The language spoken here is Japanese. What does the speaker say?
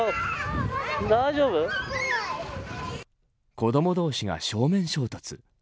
子ども同士が正面衝突。